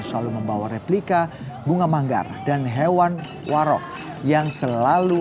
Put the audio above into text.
selalu membawa replika bunga manggar dan hewan warok yang selalu